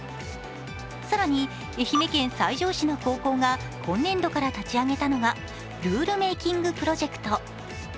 更に愛媛県西条市の高校が今年度から立ち上げたのがルールメイキングプロジェクト。